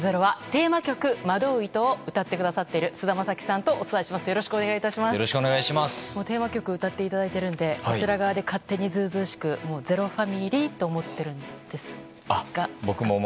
テーマ曲を歌っていただいているので勝手にずうずうしく「ｚｅｒｏ」ファミリーと思っているんですが。